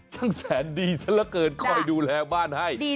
ฉันแสนดีซะละเกินคอยดูแลบ้านให้